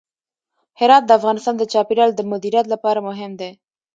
هرات د افغانستان د چاپیریال د مدیریت لپاره مهم دی.